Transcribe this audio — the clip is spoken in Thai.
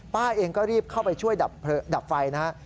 ป้าเองก็รีบเข้าไปช่วยดับไฟนะฮะ